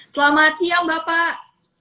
selamat siang bapak